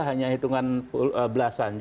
hanya hitungan belasan